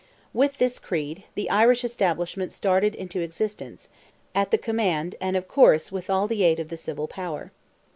With this creed, the Irish Establishment started into existence, at the command and, of course, with all the aid of the civil power.